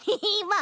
あ！